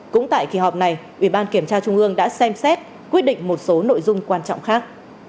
cũng tại kỳ họp này ủy ban kiểm tra trung ương đã xem xét quyết định một số nội dung quan trọng khác